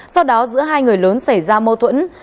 sau đó giữa hai người lớn xảy ra mâu thuẫn